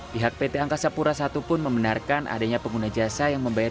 pihak pt angkasa pura i pun membenarkan adanya pengguna jasa yang membayar